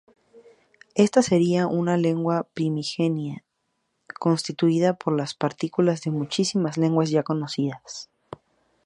Ésta sería una lengua primigenia constituida por las partículas de muchísimas lenguas ya conocidas.